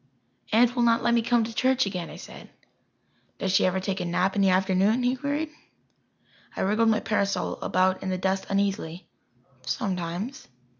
"Aunt will not let me come to church again," I said. "Does she ever take a nap in the afternoon?" he queried. I wriggled my parasol about in the dust uneasily. "Sometimes."